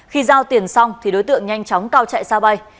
khi giao tiền xong thì đối tượng nhanh chóng cao chạy xa bay